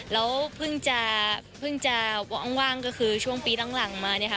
แล้วเพิ่งจะเพิ่งจะว่างก็คือช่วงปีหลังมาเนี่ยค่ะ